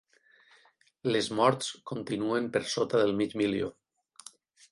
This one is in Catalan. Les morts continuen per sota del mig milió.